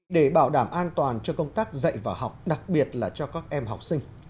để bảo đảm an toàn cho công tác dạy và học đặc biệt là cho các em học sinh